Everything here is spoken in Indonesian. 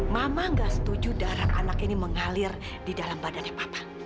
mama gak setuju darah anak ini mengalir di dalam badannya papa